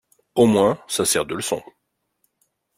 Au moins, ça sert de leçon.